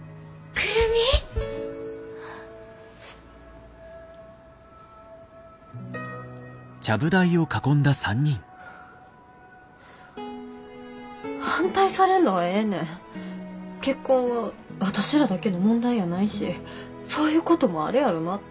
結婚は私らだけの問題やないしそういうこともあるやろなって。